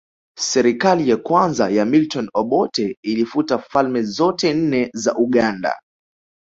Serikali ya kwanza ya Milton Obote ilifuta falme zote nne za Uganda